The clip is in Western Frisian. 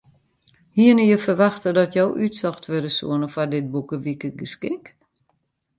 Hiene je ferwachte dat jo útsocht wurde soene foar dit boekewikegeskink?